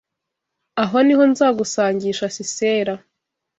Aho ni ho nzagusangisha Sisera